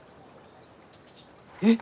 えっ！？